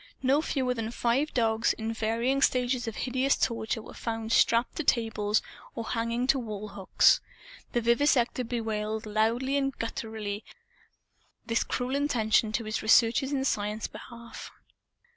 No fewer than five dogs, in varying stages of hideous torture, were found strapped to tables or hanging to wall hooks. The vivisector bewailed, loudly and gutturally, this cruel interruption to his researches in Science's behalf.